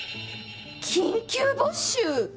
「緊急募集！」。